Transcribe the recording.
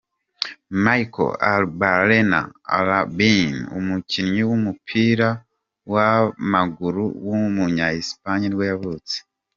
Mikel Arruabarrena Aranbide, umukinnyi w’umupira w’amaguru w’umunya Espagne nibwo yavutse.